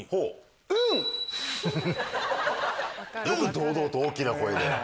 よく堂々と大きな声で。